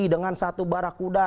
dengan satu barah kuda